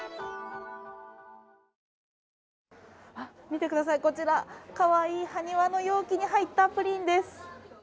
見てください、こちらかわいいはにわの容器に入ったプリンです。